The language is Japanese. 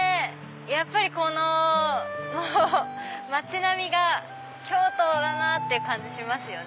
やっぱりこの町並みが京都だな！って感じしますよね。